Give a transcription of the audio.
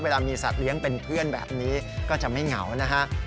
เวลามีสัตว์เลี้ยงเป็นเพื่อนแบบนี้ก็จะไม่เหงานะฮะ